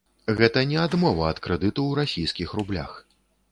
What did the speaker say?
Гэта не адмова ад крэдыту ў расійскіх рублях.